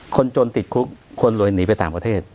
คนจนติดคุกคนรวยหนีไปต่างประเทศ